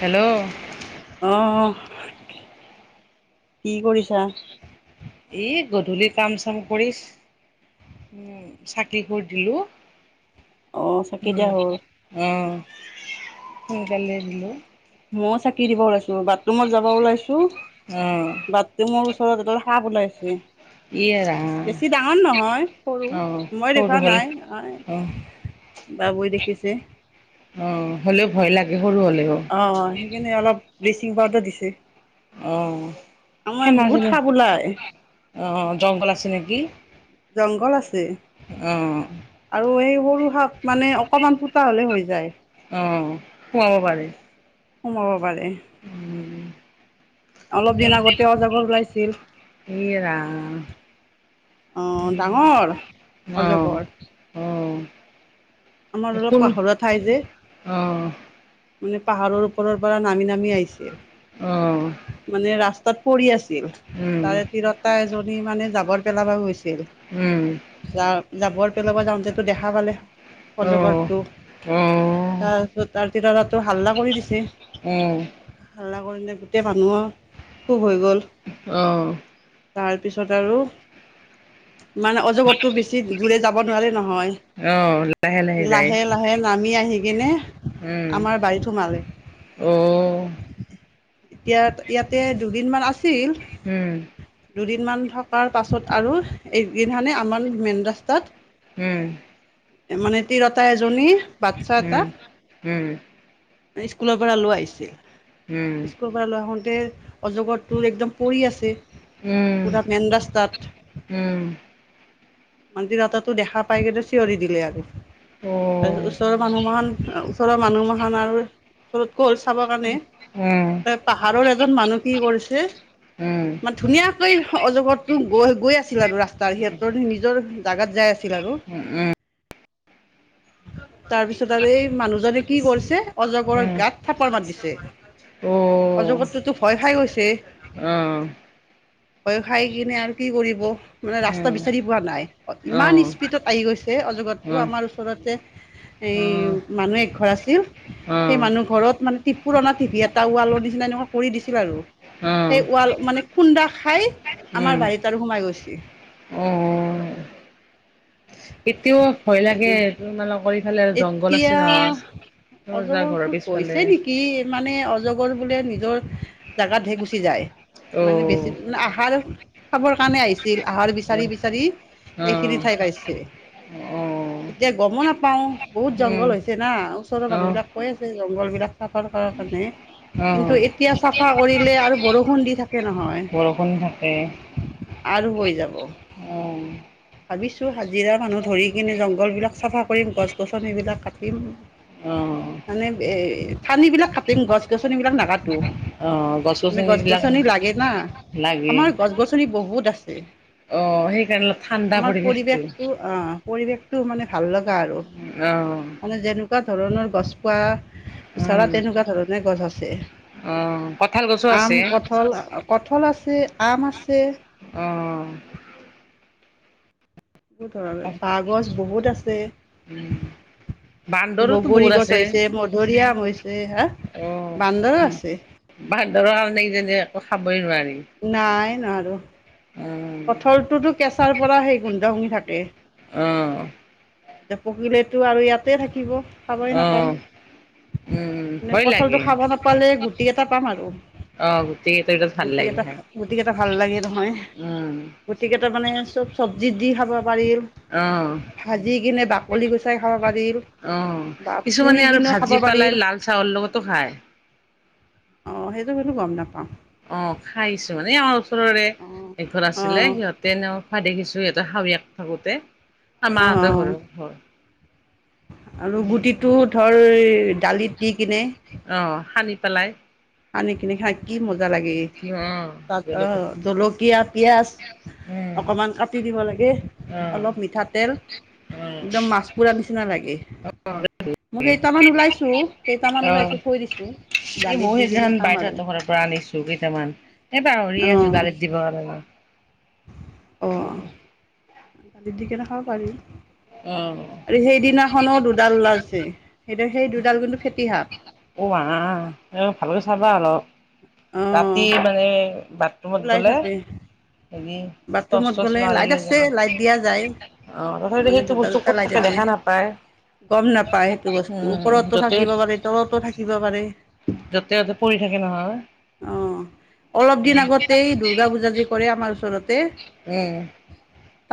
Hello অ, ' অ'। কি কৰিছা? এই গধূলি কাম চাম কৰিচ উম, চাকি ভুৰ দিলোঁ। অ চাকি দিয়া উম, হ'ল অ'। সোনকালে দিলোঁ। ময়ো চাকি দিব ওলাইছো বাথৰুমত যাব ওলাইছো অঁ বাথৰুমৰ ওচৰত এদাল সাপ ওলাইছে। ই ৰাম বেছি ডাঙৰ নহয় সৰু অঁ মই সৰু দেখুওৱা হ'ল নাই। অঁ বাবুৱে দেখিছে। অ', হ'লেও ভয় লাগে। সৰু হ'লেও অ', সেইকাৰনে অলপ বিলচ চিং পাউদাৰ দিছে। অ, ' অ, ' আমাৰ বহুত সেনাজনে সাপ ওলাই অ, ' জংঘল আছে নেকি। জঙ্গল আছে। তে অঁ আৰু এই সৰু সাপ মানে অকমান ফু তা হ'লে হৈ যায়। অ', খোৱাব পাৰে। সোমাব। পাৰে অলপ দিন আগতে অজগৰ ওলাইছিল, এই ৰাম অ' ডাঙৰ অঁ অজগৰ। অঁ আমাৰ অলপ কোন পাহৰা ঠাই যে। অঁ মানে পাহাৰৰ ওপৰ পৰা নামি নামি আইছে। অ, ' অ'। তাত পৰি আছে তাৰে তিৰতা এজনী মানে যাব। পেলাব গৈছে। উম [unintelligible] যাবৰ পেলাবৰ যাওঁতেটো দেখা পালে। অ অজগৰটো অ তাৰ ল'ৰাটো হাল্লা কৰি দিছে অ হাল্লা। ও যে গোটেই ধানা খুব হৈ গ'ল। তাৰপিছত আৰু মানে অজগতটো বেছি দূৰে যা ক'ব নোৱাৰি নহয় অহ লাহে লাহে যায় লাহে লাহে নামি আহি কিনে উম আমাৰ বাৰীতো সোমালে অ এতিয়া ইয়াতে দুদিন মান আছিল উম দুদিনমান থকাৰ পাছত আৰু এইকেইখানে আমাৰ মেইন ৰাস্তাত উম মানে তিৰতা এজনী বাচ্ছা উম এটাক উম স্কুলৰ পৰা লৈ আহিছে। স্কুল পৰা লৈ‌ আহোঁতে অজগৰটোৰ একদম পৰি আছে। উম পুৰা মেন্দ ৰাস্তাত উম উম মনজিলহতেটো দেখা পাই চিঞৰি দিলে আৰু অ ওচৰৰ মানুহমখান ওচৰৰ মানুহ মখান আৰু ওচৰত গ'ল চাব কাৰণে উম এহ, পাহাৰৰ এজন মানুহ কি কৰিছে উম উম কিহ মান ধুনীয়াকৈ অজগতো গৈ গৈ আছিল আৰু ৰাস্তাৰ সিহঁতৰখিনি জাগাত যাই আছিল আৰু উম উম। তাৰপিছত আৰু এই মানুহজনে কি কৰিছে অজগৰৰ গাত থাপৰ মাৰি দিছে। অ [unintelligible] অজগৰ টোহ ভয় খাই গৈছে, অ ভয় খাই কিনে আৰু কি কৰিব মানে ৰাস্তা উম বিচাৰি পোৱা নাই অ ইমান স্পীডত আহি গৈছে অজগতটো আমাৰ ওচৰতে অ অ এই মানুহ একঘৰ আছিল অ সেই মানুহ ঘৰত মানে পুৰণা টিভি এটা ৱালৰ নিচিনা এনেকুৱা কৰি দিছিল আৰু অ সেই ৱাল মানে খুন্দা খাই উম আমাৰ বাৰীত আৰু সোমাই গৈছিল। এ তিও ভয় লাগে সেইখিনি তোমালোকৰ ইফালে আৰু জংঘল আছে নহয় এতিয়া তহ যা অজগৰ ঘৰৰ ফুট গৈছে পিছফালে নেকি মানে অজগৰ বোলে নিজৰ জাগাত হে গুচি যায়। মানে বেছি অ' মানে আহাৰ খাবৰ কাৰণে আহিছে আহাৰ বিচাৰি অ' বিচাৰি এইখিনি অ' ঠাই পাইছে এতিয়া গমো নাপাওঁ বহুত উম জংঘল হৈছে না ওচৰৰ মানুহ বিলাক কৈ আছে। জংঘলবিলাক চাফাৰ কৰা কাৰণে। অ কিন্তু এতিয়া চাফা কৰিলে আৰু বৰষুণ দি থাকে নহয় বৰষুণ থাকে। আৰু হৈ যাব। অ। ভাবিছো হাজিৰা মানুহ ধৰি কিনে জংঘল বিলাক চাফা কৰিম গছ গছনি বিলাক কাটিম। অ। মানে ঠানি বিলাক কাটিম গছ গছনিবলাক নাকাতো। অ' মানে গছ গছনিবিলাক গছনি লাগে না লাগে আমাৰ গছ গছনি বহুত আছে। [unintelligible] অ সেইকাৰণে অলপ আমাৰ পৰিৱেশটো অ। পৰিৱেশটো মানে ভাল লগা আৰু। অ। জেনেকুৱা ধৰণৰ গছ পোৱা বিচৰা উম তেনেকুৱা ধৰণে গছ আছে। অ' কঁঠাল গছো আম আছে কঠল কঠল আছে। আছে আম আছে। অ' বহো ধৰণৰ বাঁহগছ বহুত উম, আছে। বান্দৰোতো বগৰী বহুত গছ আছে হৈছে মধুৰিআম হৈছে। ছে হা অ বান্দৰ আছে বান্দৰৰ কাৰনে কিজানি একো খাবই নোৱাৰি। নাই। নোবাৰু। উম, কঠলটোতো কেঁচাৰ পৰা সেই গোন্ধ শুঙি থাকে। অ', এতিয়া পকিলেতো আৰু ইয়াতে থাকিব, খাবই নাপাম। অ', উম, মানে ভয় লাগে। কঁঠালতটো খাব নাপালে গুট কোটি গিতা পাম আৰু। অ', গোটেই কেইটাৰ ভিতৰত ভাল গুটি লাগে কেইটা, খাই। গুটি কেইটা ভাল লাগে নহয়। উম, গতিকে তাৰ মানে, চব চব্জিত দি খাবা বাৰীৰ। অ', ভাজি কিনে ডাক ক'লি গুচাই খাব পাৰি। অ', কিছুমানে আৰু ভাজি পাৰিল পেলাই লাল চাহৰ লগতো খায়। অ', সেইটো কিন্তু গম নাপাওঁ। অ', খাইছো, মানে অ ওছৰৰে, অ এঘৰ অ আছিলে সিহঁতে ন খোৱা দেখিছ দুই এটা হাৰিয়াক থাকোতে। অ আমা হঁতৰ ঘৰৰ হ আৰু গুটিটো ধৰ, দালিত দি কিনে। অ', সানি পেলাই সানি কে কিনি খাই কি মজা লাগে এ। অ', তাত অ, জলকীয়া জলকীয়া পিঁয়াজ উম, অকণমান কাটি দিব লাগে, অ', অলপ মিঠাতেল একদম মাছ পোৰা নিচিনা লাগ [unintelligible] মই অ', কেইটামান ওলাইছো, কেইটামান ওলাইছো থৈ দিছো, দালিত কেনে সিদিনাখন খাম আৰু বাইদেউহতৰ ঘৰ পৰা আনিছো কেইটামান, এই পাহৰিয়েই আছো দালিত দিব আৰ অ। অ অ [unintelligible] দালিত দি কেনে খাব পাৰি। অ', আৰু সেইদিনাখনো দুডাল ওলাইছে সেইটো সেই দুডাল কিন্তু ফেটি সাপ ও আ, ভালকে চাবা অলপ। অ ৰাতি মানে, বাট ওলাই থাকে, টৰ্চ বাথৰুমত চৰ্চ গলে মাৰি লাইট লৈ আছে যাবা। লাইট দিয়া যায়, অ' তথাপিতো মানে সেইটো বস্তু দুটা-দুটা ক'ত লাইট থাকে আছে। দেখা নাপায় গম নাপায় সেইটো বস্তু, উম ওপৰতো থাকিব পাৰে তলতো থাকিব পাৰে। যতে-ততে পৰি থাকে নহয়। গোটেই দুৰ্গা পূজা যে কৰে আমাৰ ওচৰত তে উম।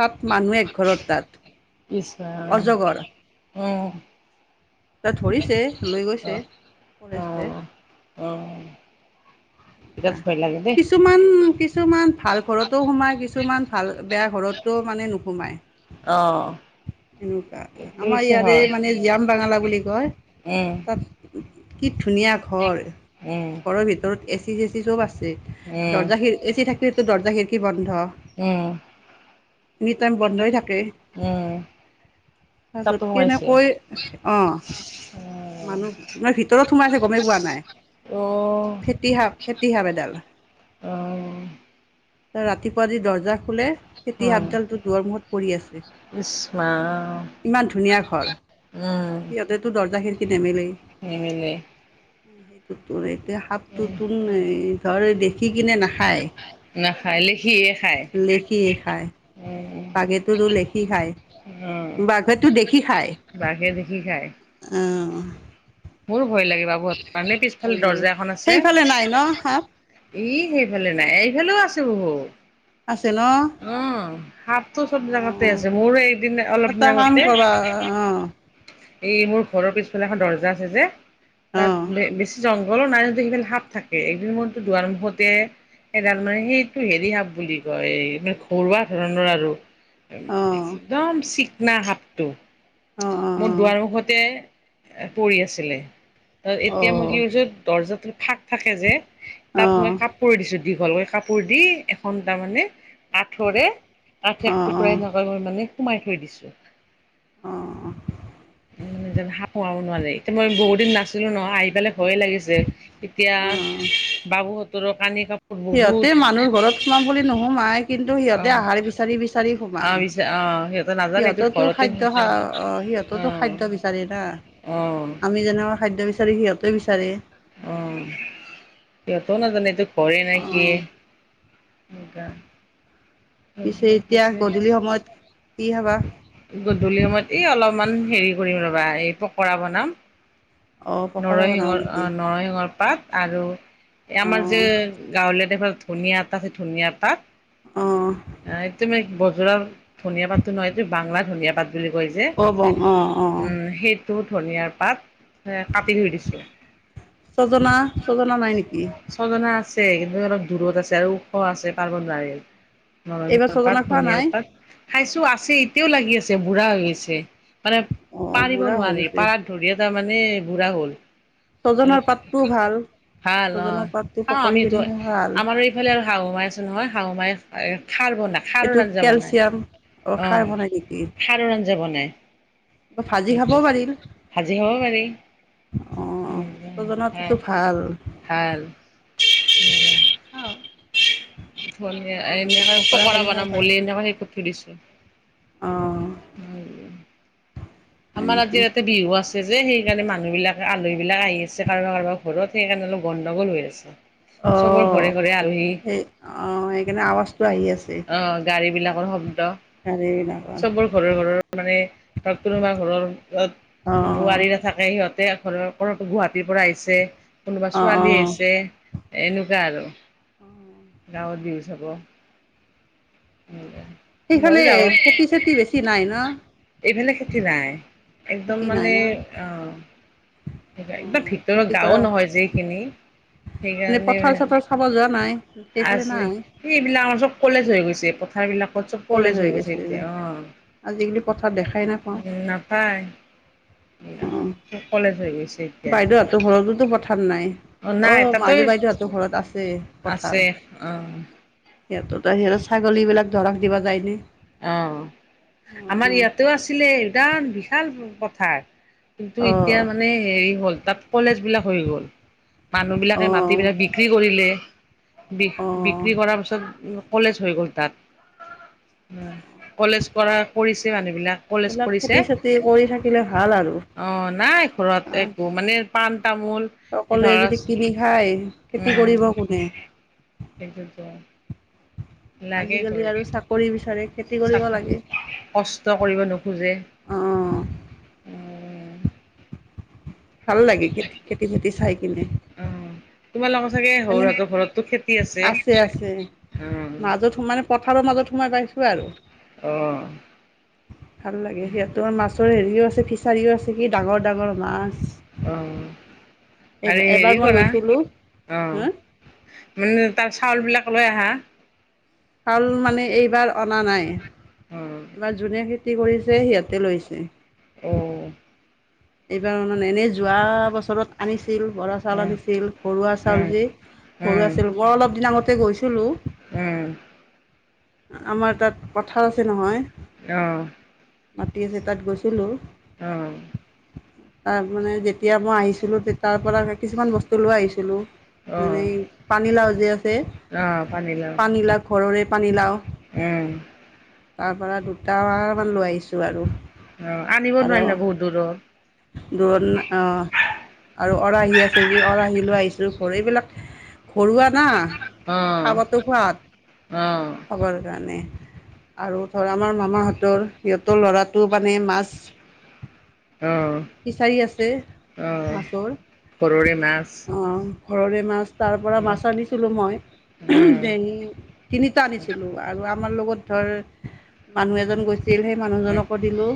তাত, মানুহ একঘৰত তাত। ইস্ ৰাম। অজগৰ অঁ তাত ধৰিছে লৈ গৈছে ফৰেষ্টে অ' অ' বিৰাট ভয় লাগে দেই। কিছুমান কি কিছুমান ভাল ঘৰতো সোমাই কিছ- কিছুমান ভাল বেয়া ঘৰতো মানে নোসোমায়। অ' এনেকুৱা আমাৰ বুজিছা ইয়তে হয় মানে জীয়াম বাঙালা বুলি কয় উম। তাত কি ধুনীয়া ঘৰ উম, ঘৰৰ ভিতৰত এ চি জেছি চব আছে। আছে, উম, দৰ্জা খিৰ এ চি থাকিলে টো দৰ্জা খীৰ কি বন্ অঁ, উম, এনিটাইম বন্ধই থাকে, উম, তাৰপাছত তাতো সোমাইছে। কেনেকৈ অঁ, অ', মানুহ, মই ভিতৰত সোমাই থাকো গমেই পোৱা নাই। অ', সাপ, ফেটি সাপ এদাল। ৰাতিপুৱা যি দৰ্জা খোলে ফেতি উম, সাপডালটো দুৱাৰ মুখত পৰি আছে, ইচমা ইমান ধুনীয়া ঘৰ, উম, সিহঁতেতো দৰ্জাখিনি নিমিলে। সেইটো তোৰ, এইতিয়া সাপ টো উম, টো ধৰ দেখি কিনে নাখায়, নাখায় লেখিহে খায়। লেখিয়ে খায়, উম, বাঘেটোতো লেখি খায়, উম, বাঘেটো দেখি খায় বাঘে অঁ। [inaudible] মোৰ ভয় লাগে, মানে ভাল পিছফালে লাগে দৰ্জা এখন আছে সেইফালে নাই ন সাপ ই সেইফালে নাই, এইফালেও আছো বহু আছে ন সাপটো চব জাগাতে অঁ আছে, মোৰো এদিন অলপ দিন এটা কাম আগতে কৰবা অঁ এই মোৰ ঘৰৰ পিছফালে এখন দৰ্জা আছে যে তাত অঁ বে বেছি জংঘল [unintelligible] সাপ থাকে, একদিন মোৰতো দুৱাৰ মুখতে এডাল মানে সেইটো হেৰি সাপ বুলি কয়, মানে ঘৰুৱা ধৰণৰ আৰু। অঁ একদম শিক না সাপটো। অঁ মোৰ দুৱাৰ মুখতে পৰি আছিলে। ত অঁ এতিয়া মই অঁ কি কৰছো, দৰ্জাত ফাক থাকে যে। অঁ অঁ তাত মই কাপোৰ দিছো দীঘলকৈ কাপোৰ দি, এখন তাৰমানে কাঠৰে, কাঠ এক অঁ টুকুৰাই এনেকা মই মানে সোমাই থৈ দিছোঁ। অঁ সাপ সোমাব নোৱাৰে, কিন্তু মই বহুত দিন নাছিলো নহয়, আহি পেলাই ভয়ে লাগিছে। অঁ অঁ এতিয়া বাবুহত ত ৰোকানী কাপ সিহঁতে মানুহৰ ঘৰত সোমাম বুলি নোসোমাই কিন্তু সিহঁতে অ' আহাৰ বিচাৰি বিচাৰি সোমাই। অ' পিছে অ' সিহঁতে নাজানে এইটো সিহঁতেওতো ঘৰতে খাদ্য শুইছে অ' সিহঁতেতো অ' খাদ্য বিচাৰি না অ' আমি যেনেকুৱা খাদ্য বিচাৰো। বিচাৰি সিহঁতে বিচাৰে। অ' সিহঁতো নাজানেটো। ভয়ে না কিয়ে। অ' এনেকা। পিছে এতিয়া গধূলি সময়ত কি খাবা? গধূলি সময়ত এই অলপ। অলপমান হেৰি কৰিম ৰবা এই পকৰা বনাম। অ' পকৰা বনাব নৰসিংহৰ, নেকি? অ' নৰসিংহৰ পাত। আৰু। এ আমাৰ যে অ' গাঁৱলীয়াত এভাগ ধুনিয়া এটা যে, ধুনীয়া তাত। অ' অ' তুমি ব ধনীয়া পাতটো নহয়, এইটো বাংলা ধনীয়া পাত বুলি কয় হব, অঁ অঁ। টো ধনিয়াৰ পাত। কাটি থৈ দিছো ছজনা, ছজনা নাই নেকি? ছজনা আছে, কিন্তু অলপ দূৰত আছে আৰু ওখ আছে পাৰিব নোৱাৰি। এইবাৰ নৰসিংহৰ পাত, ছজনা খোৱা ধনিয়াৰ নাই? পাত। খাইছো, আছে এতিয়াও লাগি আছে বুঢ়া হৈ গৈছে। মানে অ' পাৰিব বুঢ়া হৈ নোৱাৰি। গৈছে। পাৰাত ধৰি তাৰ মানে মানে বুঢ়া হ'ল। ছজনাৰ পাতটোও ভাল। ভাল ছজনাৰ অ' পাতটো খাও পকৰি আমি এইটো। খিনি ভাল। আমাৰো এইফালে আৰু শাহু মা নহয় শাহু মাই খাৰ বনাই। খাৰৰ এইটো আঞ্জা বনাই কেলচিয়াম খাৰ অ' বনাই নেকি খাৰৰ আঞ্জা বনাই ভাজি খাব সেইটো পাৰিল ভাজি খাব পাৰি। অ উম্ ওজনতোতো অ' ভাল ভাল। উম খা মাজে মাজে এনে পকৰা কৰি খাব বনাম পাৰি বুলি এনেকে সেই কৰি থৈ দিছো। অঁ। আমাৰ আজি ইয়াতে বিহু আছে। যে সেইকাৰণে মানুহ বিলাকে, আলহী বিলাক আহি আছে কাৰোবাৰ কাৰোবাৰ ঘৰত সেইকাৰণে অলপ গণ্ডগোল হৈ আছে। অ চবৰ ঘৰে ঘৰে আলহী। সেই অ সেইকাৰণে আৱাজটো আহি আছে অঁ, গাড়ী বিলাক। অ' গাড়ীবিলাকৰ চবোৰ ঘৰৰ ঘৰৰ মানে ধ তোমাৰ ঘৰৰ অ তত বোৱাৰীৰে থাকে সিহঁত তেয়া ঘৰৰ কৰতো গুৱাহাটীৰ পৰা আহিছে। কোনোবা অ অ ছোৱালী আহিছে এনেকুৱা আৰু অ গাঁৱৰ বিজ যাব। ময়ো সেইফালে যাওঁ খেতি চেতি বেছি নাই ন? এইফালে খেতি নাই একদম খেতি নাই মানে ন অ একাই অ দ ভিতৰৰ খেতি গাওঁ কৰা নহয় যে এখিনি এনে সেইকাৰণে পথাৰ চথাৰ চাব যোৱা নাই সেইফালে আছে নাই সি ইবিলাক অঞ্চ কলেজ হৈ গৈছে। পথাৰবিলাক পঞ্চ কলেজ হৈ গৈছে এতিয়া আজিকালি পথাৰ অ। উম নাপায়। আহ চব কলেজ হৈ গৈছে এতিয়া। বাইদেউহতৰ ঘৰতোতো পথাৰ নাই অ নাই তাতো মাজে বাইদেউহতৰ ঘৰত আছে আছে পথাৰ। অ' সিহঁতোতা সিহঁতৰ ছাগলীবিলাক ধৰক কিবা যায়নে? অ আমাৰ ইয়াতো আছিলে ইদান বিশাল পথাৰ। অ কিন্তু অ এতিয়া মানে হেৰি হ'ল তাত কলেজবিলাক হৈ গল অ মানুহবিলাকে মাটিবিলাক বিক্ৰী কৰিলে। বি অ অ বিক্ৰী কৰাৰ পিছত কলেজ হৈ গ'ল তাত। [unintelligible] কলেজ কৰা কৰিছে মানুহবিলাক কলেজ এইবিলাক কৰিছে খেতি চেতি কৰি থাকিলে ভাল আৰু অ নাই ঘৰত আহ একো মানে পাণ তামোল এই সকলোৱে ধৰা যদি কিনি খায়। খেতি উম কৰিব কোনে? সেইটোতো লাগে আজিকালি ঘৰত আৰু চাকৰি বিচাৰে। খেতি কৰিব চাক লাগে কষ্ট কৰিব নোখোজে। অ উম ভাল লাগে খেতি ভেটি চাই কিনে। অ তোমালোকৰ চাগে এনে সৌহঁতৰ ঘৰতো খেতি আছে আছে, অ', মাজত সোমানে পত পথাৰৰ মাজত সোমাই পাইছোঁ আৰু। অ', ভাল লাগে সিয়া তোৰ মাছ ওচৰ হেৰিও আছে ফিছাৰীও আছে কি ডাঙৰ ডাঙৰ মাছ। অহ। এইব আৰে এবাৰ হেৰি মই কৰা গৈছিলোঁ অ হা মানে তাৰ চাউলবিলাক তলৈ আহা। চাউল মানে এইবাৰ অনা নাই। অ', ইমান জুনীয়া খী। কি কৰিছে সিহঁতে লৈছে? অহ ', এইবাৰ মানে এনেই যোৱা বছৰ। চৰত আনিছিল বৰা উম, চাউল উম, আনিছিল ঘৰুৱা চাউল উম, যে ঘৰুৱা উম, চাউল বৰ অলপ দিনামতে গৈছিলোঁ। আমাৰ তাত পথাৰ আছে নহয়। অহ', মাটি আছে তাত গৈছিলো। অহ ', তাৰ মানে যেতিয়া মই আহিছিলো তে তাৰ পৰা কিছুমান বস্তু লৈ আহিছিলো। মানে অ', পানীলাও যে আছে অ', পানীলাও পানীলাও ঘৰৰে পানীলাও। উম ', তাৰ পৰা দুট মান লৈ আহিছো আৰু। অ', আনিব আৰু নোৱাৰিল ন বহুত দূৰত দণ অহ ', আৰু অৰাহি আছে যি অৰাহি লৈ আহিছো ঘৰ এইবিলাক ঘৰুৱা না অ', খাবাতো সোৱাদ। অ', সবৰ কাৰণে আৰু ধৰ আমাৰ মামাহঁতৰ সিহঁত ত', ল'ৰাটো মানে মাছ অ', ফিচাৰি আছে অ', মাছৰ ঘৰৰে মাছ অহ ',। ঘৰৰে মাছ। তাৰপৰা উম, মাছ আনিছিলোঁ মই উম, ডেংগি তিনি আনিছিলো আৰু আমাৰ লগত ধৰ মানুহ এজন গৈছে। তিল সেই উম, মানুহজনকো দিলোঁ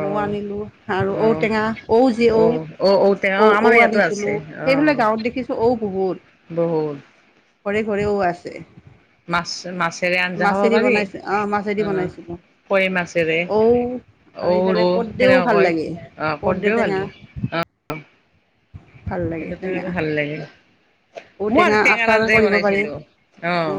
মৌ আনিলোঁ আৰু অ', ঔ অ', টেঙা, ঔ যি ঔ, অ', টেঙা অ', ঔ- ঔ আমাৰ ইয়াতো আনিছিলোঁ আছে অ'। সেইফালে গাঁৱত দেখিছোঁ ঔ বহুত। বহুত ঘৰে- ঘৰেও আছে। মাছ- মাছ। মাছেদি বনাইছোঁ অহ', মাছেদি বনাইছিলোঁ কাৱৈ মাছেৰে ঔ ঔ আৰু ইফালে কৰ্দেও সেনেকা ভাল কয় লাগে অ কৰ্দৈও ভাল কৰৰ্দেউটেঙা। সেইটো টেঙাটো ভাল লাগিল। মই আজি ঔটেঙা টেঙাৰ আচাৰ আঞ্জাই কৰিব পাৰি বনাইছিলো অহ',।